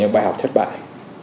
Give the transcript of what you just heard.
bài học thất bại